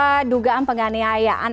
ada dugaan penganiayaan